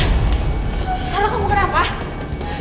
kelara kamu pasti terlalu baik